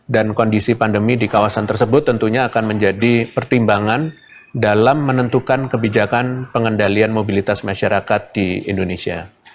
dan kondisi pandemi di kawasan tersebut tentunya akan menjadi pertimbangan dalam menentukan kebijakan pengendalian mobilitas masyarakat di indonesia